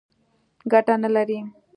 ګټه نه لري.